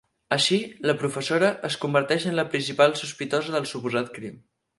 Així, la professora es converteix en la principal sospitosa del suposat crim.